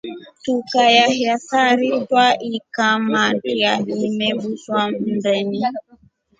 Tukaheiya sari twaikamatra inebuswa mndeni.